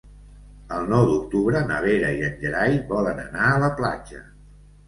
El nou d'octubre na Vera i en Gerai volen anar a la platja.